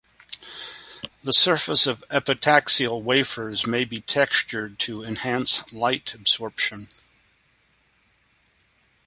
The surface of epitaxial wafers may be textured to enhance light absorption.